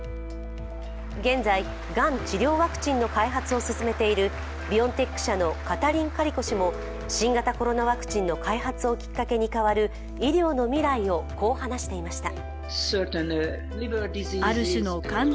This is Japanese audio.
現在、がん治療ワクチンの開発を進めているビオンテック社のカタリン・カリコ氏も新型コロナワクチンの開発をきっかけに変わる医療の未来をこう話していました。